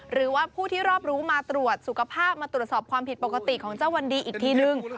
หรือว่าผู้ที่รอบรู้มาตรวจสุขภาพมาตรวจสอบความผิดปกติของเจ้าวันดีอีกทีนึง